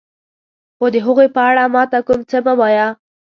خو د هغوی په اړه ما ته کوم څه مه وایه.